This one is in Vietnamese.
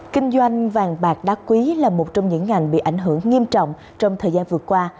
kinh doanh vàng bạc đá quý là một trong những ngành bị ảnh hưởng nghiêm trọng trong thời gian vừa qua